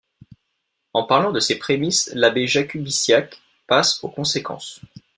En partant de ces prémisses, l'Abbé Jakubisiak passe aux conséquences.